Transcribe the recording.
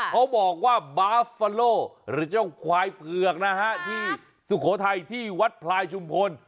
เขาบอกว่าบาฟฟาโลหรือเจ้าควายเผือกนะฮะที่สุโขทัยที่วัดพลายชุมพล